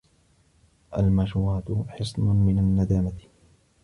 الْمَشُورَةُ حِصْنٌ مِنْ النَّدَامَةِ